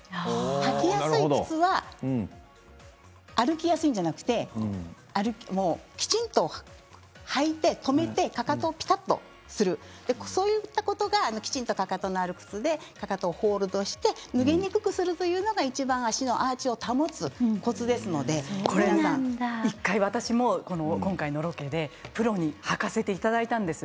履きやすい靴は歩きやすいんじゃなくてきちんと履いて留めてかかとをぴたっとするそういったことがきちんとかかとのある靴でかかとをホールドして脱げにくくするというのが、いちばん足のアーチを保つ１回、私も今回のロケでプロに履かせていただいたんです。